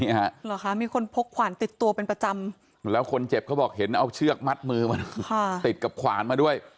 เหรอคะมีคนพกขวานติดตัวเป็นประจำแล้วคนเจ็บเขาบอกเห็นเอาเชือกมัดมือมันติดกับขวานมาด้วย